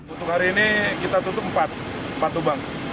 untuk hari ini kita tutup empat lubang